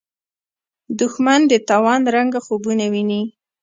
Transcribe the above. دښمن د تاوان رنګه خوبونه ویني